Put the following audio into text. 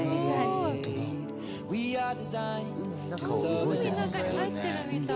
本仮屋：海の中に入ってるみたい。